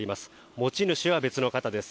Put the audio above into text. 持ち主は別の方です。